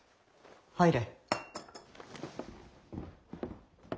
入れ。